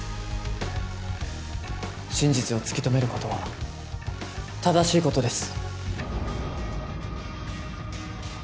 真実を突き止めることは正しいことです